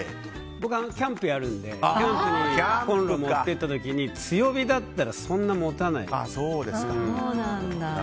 僕はキャンプやるのでコンロを持って行った時に強火だったらそんなにもたないんですよ。